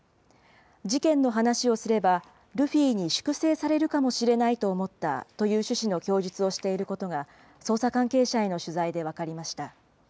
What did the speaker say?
事件の話をすれば、ルフィに粛清されるかもしれないと思ったという趣旨の供述をしていることが、捜査関係者への取材で分かりました。